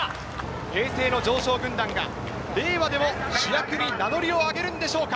平成の常勝軍団が、令和でも主役に名乗りを上げるんでしょうか。